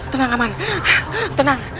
tenang aman tenang